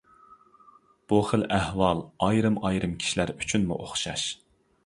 بۇ خىل ئەھۋال ئايرىم-ئايرىم كىشىلەر ئۈچۈنمۇ ئوخشاش.